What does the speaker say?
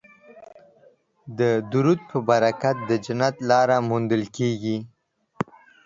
د درود په برکت د جنت لاره موندل کیږي